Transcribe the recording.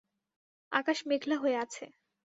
আকাশ মেঘলা হয়ে আছে।